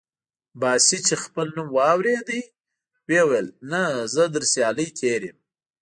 باسي چې خپل نوم واورېد وې ویل: نه، زه تر سیالۍ تېر یم.